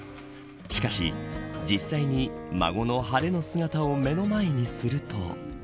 しかし、実際に孫の晴れの姿を目の前にすると。